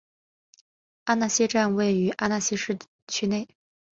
阿讷西站位于阿讷西市区内。